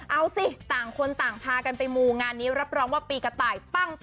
เอาสิต่างคนต่างพากันไปมูงานนี้รับรองว่าปีกระต่ายปั้ง